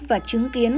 và chứng kiến